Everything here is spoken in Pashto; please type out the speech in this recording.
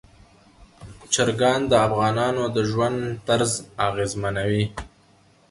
چرګان د افغانانو د ژوند طرز اغېزمنوي.